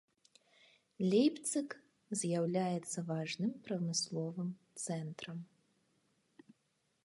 Лейпцыг з'яўляецца важным прамысловым цэнтрам.